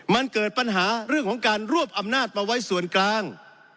มันเกิดปัญหาเรื่องของการรวบอำนาจมาไว้ส่วนกลาง